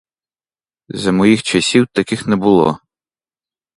За моїх часів таких не було.